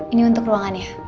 ini untuk ruangannya